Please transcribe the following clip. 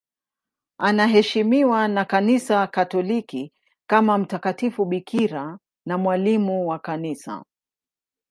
Anaheshimiwa na Kanisa Katoliki kama mtakatifu bikira na mwalimu wa Kanisa.